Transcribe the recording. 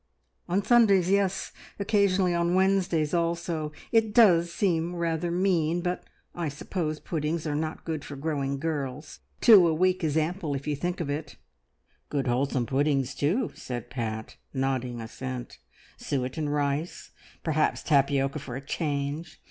"On Sundays yes! Occasionally on Wednesdays also. It does seem rather mean, but I suppose puddings are not good for growing girls. Two a week is ample if you think of it!" "Good wholesome puddings too!" said Pat, nodding assent. "Suet and rice, and perhaps tapioca for a change!